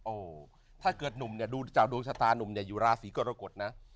ถ้าเกิดหนุ่มเนี่ยดูจากดวงชะตานุ่มเนี่ยอยู่ราศีกรกฎนะ